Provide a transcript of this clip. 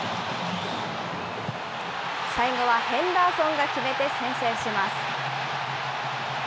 最後はヘンダーソンが決めて先制します。